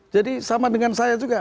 jadi sama dengan saya juga